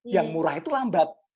yang murah itu lambat